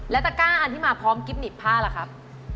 แล้วตะก้าอันที่มาพร้อมกิ๊บหนีบผ้าล่ะครับ